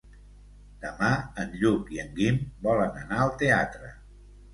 Demà en Lluc i en Guim volen anar al teatre.